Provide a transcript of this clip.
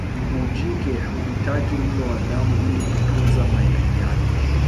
Mbu jike huhitaji mlo wa damu ili kutunza mayai yake